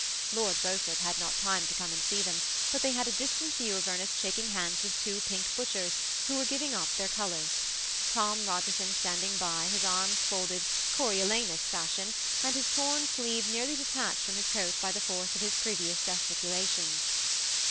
Lord Beaufort had not time to come and see them, but they had a distant view of Ernest shaking hands with two pink butchers, who were giving up their colors ; Tom Eogerson standing bj, his arms iolded, Coriolanus fashion, and his torn uleeve nearly detac^d from his coi^ by the force of his previous gesticulations.